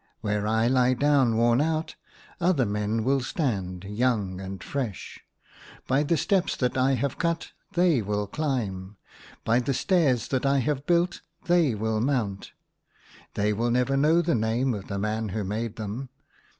Where I lie down worn out, other men will stand, young and fresh. By the steps that I have cut they will climb ; by the stairs that I have built, they will mount. They will never know the name of the man who made them.